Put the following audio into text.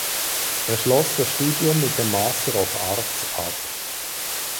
Er schloss das Studium mit dem Master of Arts ab.